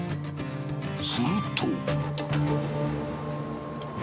すると。